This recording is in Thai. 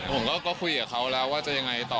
ผมก็คุยกับเขาแล้วว่าจะยังไงต่อ